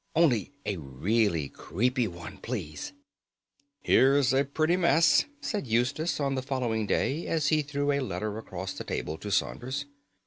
Only a really creepy one, please!" "Here's a pretty mess!" said Eustace on the following day as he threw a letter across the table to Saunders.